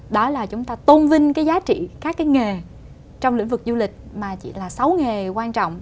đó là chúng ta tôn vinh cái giá trị các cái nghề trong lĩnh vực du lịch mà chỉ là sáu nghề quan trọng